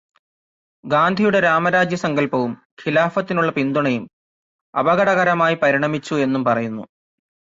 ഗാന്ധിയുടെ രാമരാജ്യസങ്കല്പവും, ഖിലാഫത്തിനുള്ള പിന്തുണയും അപകടകരമായി പരിണമിച്ചു എന്നും പറയുന്നു.